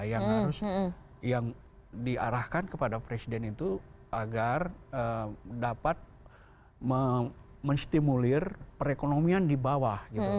yang harus yang diarahkan kepada presiden itu agar dapat menstimulir perekonomian di bawah